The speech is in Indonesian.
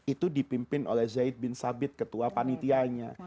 itu dipimpin oleh zaid bin sabit ketua panitianya